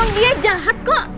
emang dia jahat kok